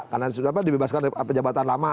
karena sudah apa dibebaskan dari pejabatan lama